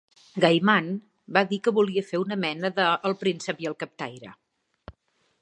Gaiman va dir que volia fer una mena de El príncep i el captaire.